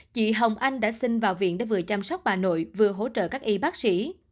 chị hồng anh đã sinh vào viện để vừa chăm sóc bà nội vừa hỗ trợ các y bác sĩ